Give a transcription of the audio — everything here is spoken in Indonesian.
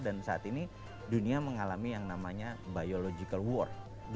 dan saat ini dunia mengalami yang namanya biological war